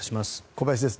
小林です。